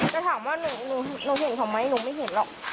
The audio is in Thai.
แต่ถามว่าหนูเห็นเขาไหมหนูไม่เห็นหรอก